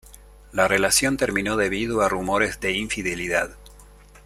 La relación terminó debido a rumores de infidelidad.